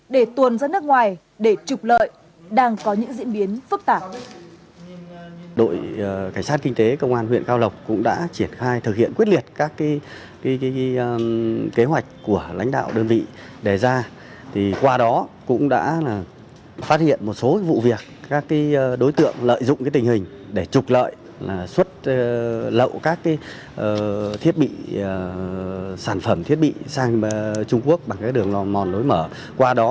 để tuồn ra nước ngoài để trục lợi đang có những diễn biến phức tạp